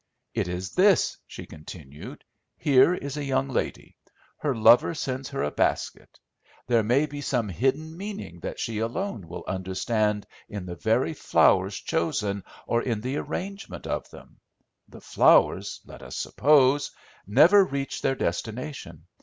"It is this," she continued. "Here is a young lady. Her lover sends her a basket. There may be some hidden meaning that she alone will understand in the very flowers chosen, or in the arrangement of them. The flowers, let us suppose, never reach their destination.